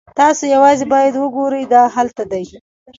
تاسو یوازې باید وګورئ دا هلته دی